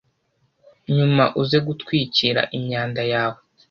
nyuma uze gutwikira imyanda yawe.